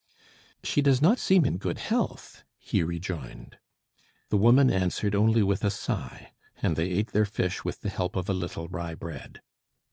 "She does not seem in good health," he rejoined. The woman answered only with a sigh, and they ate their fish with the help of a little rye bread.